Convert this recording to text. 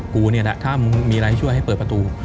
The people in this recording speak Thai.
กูนี่แหละถ้ามึงมีอะไรช่วยให้เปิดประตู